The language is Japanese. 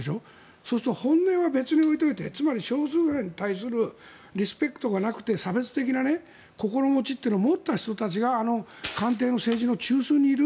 そうすると本命は別に置いておいてつまり少数派へのリスペクトがなくて差別的な心持ちを持った人たちがあの官邸の政治の中枢にいる。